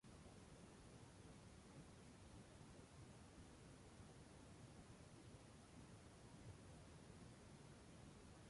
Los primeros trabajos de la dupla fueron obras de video arte y cine experimental.